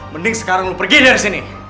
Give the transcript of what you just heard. mending sekarang lu pergi dari sini